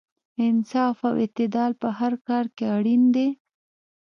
انصاف او اعتدال په هر کار کې اړین دی.